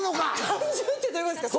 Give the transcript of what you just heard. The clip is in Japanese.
単純ってどういうことですか。